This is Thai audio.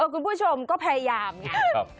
คุณผู้ชมก็พยายามนะครับ